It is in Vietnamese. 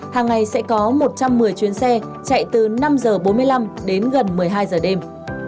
hàng ngày sẽ có một trăm một mươi chuyến xe chạy từ năm h bốn mươi năm đến gần một mươi hai giờ đêm